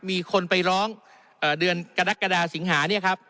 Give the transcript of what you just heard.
มีคนไปร้องเดือนกระดักกระดาษศิงหาเนี่ยครับ